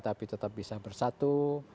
tapi tetap bisa bersatu